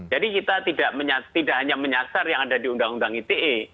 jadi kita tidak hanya menyasar yang ada di undang undang ite